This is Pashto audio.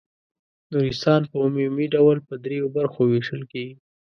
نورستان په عمومي ډول په دریو برخو وېشل کیږي.